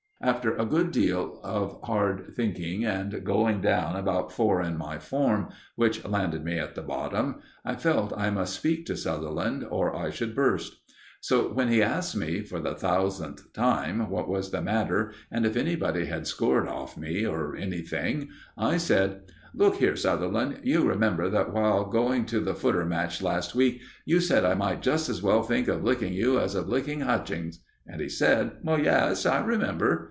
After a good deal of hard thinking and going down about four in my form, which landed me at the bottom, I felt I must speak to Sutherland, or I should burst. So when he asked me, for the thousandth time, what was the matter and if anybody had scored off me, or anything, I said: "Look here, Sutherland, you remember that while going to the footer match last week, you said I might just as well think of licking you as of licking Hutchings?" And he said: "Yes, I remember."